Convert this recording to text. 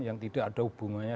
yang tidak ada hubungannya